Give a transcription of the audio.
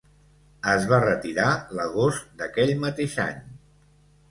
Es va retirar l'agost d'aquell mateix any.